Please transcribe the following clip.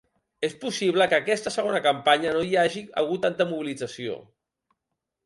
És possible que aquesta segona campanya no hi hagi hagut tanta mobilització.